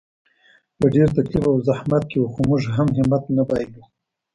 په ډېر تکلیف او زحمت کې وو، خو موږ هم همت نه بایللو.